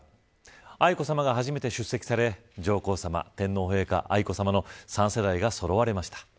愛子さまが初めて出席され上皇さま、天皇陛下、愛子さまの３世代がそろわれました。